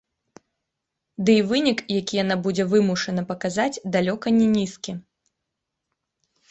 Дый вынік, які яна будзе вымушана паказаць, далёка не нізкі.